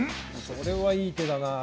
それはいい手だなあ